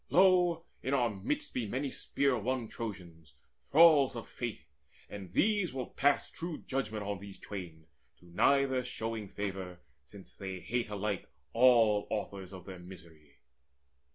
Lo, in our midst Be many spear won Trojans, thralls of Fate; And these will pass true judgment on these twain, To neither showing favour, since they hate Alike all authors of their misery."